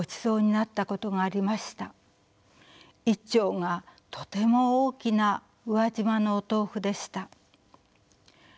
一丁がとても大きな宇和島のお豆腐でした。